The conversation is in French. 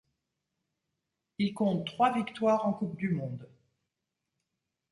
Il compte trois victoires en coupe du monde.